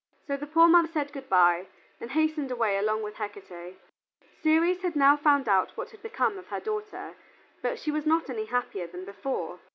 So the poor mother said good by and hastened away along with Hecate. Ceres had now found out what had become of her daughter, but she was not any happier than before.